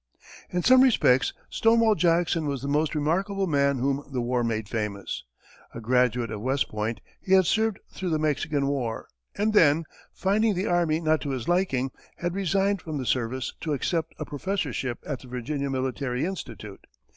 In some respects Stonewall Jackson was the most remarkable man whom the war made famous. A graduate of West Point, he had served through the Mexican war, and then, finding the army not to his liking, had resigned from the service to accept a professorship at the Virginia Military Institute.